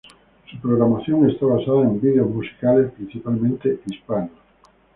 Su programación está basada en videos musicales, principalmente hispanos.